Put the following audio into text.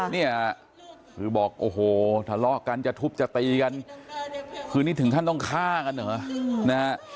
เนี่ยคือบอกโอ้โหทะเลาะกันจะทุบจะตีกันคือนี่ถึงขั้นต้องฆ่ากันเหรอนะฮะ